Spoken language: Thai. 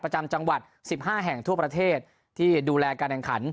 ประจำจังหวัด๑๕แห่งทั่วประเทศที่ดูแลการแข่งขัน